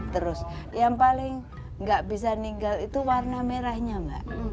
terus yang paling nggak bisa ninggal itu warna merahnya mbak